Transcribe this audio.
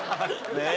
ねえ。